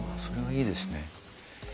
いいですね。